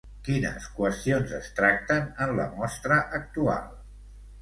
Quines qüestions es tracten en la mostra actual?